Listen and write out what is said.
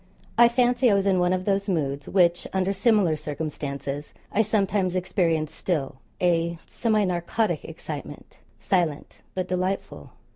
I fancy I was in one of those moods which, under similar circumstances, I sometimes experience still a semi narcotic excitement, silent but delightful.